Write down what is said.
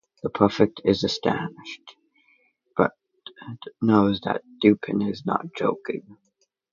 The Prefect is astonished, but knows that Dupin is not joking.